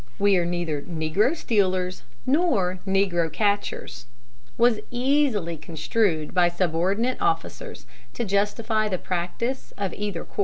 We are neither negro stealers nor negro catchers," was easily construed by subordinate officers to justify the practice of either course.